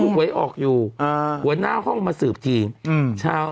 กูไว้ออกอยู่หัวหน้าเข้ามาสืบจริง